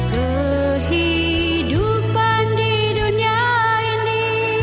kehidupan di dunia ini